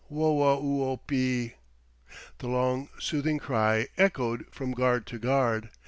Whoa oo ope!" The long soothing cry echoed from guard to guard.